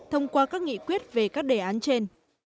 thông qua các nghị quyết về các đề án trên